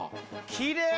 きれい！